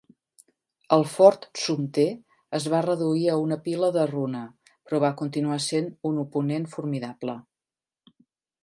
El Fort Sumter es va reduir a un pila de runa, però va continuar sent un oponent formidable.